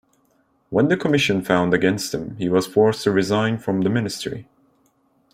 When the Commission found against him, he was forced to resign from the ministry.